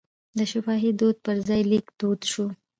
د شفاهي دود پر ځای لیک دود شو.